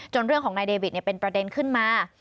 เรื่องของนายเดวิทเป็นประเด็นขึ้นมา